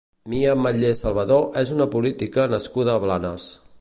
Mia Ametller Salvador és una política nascuda a Blanes.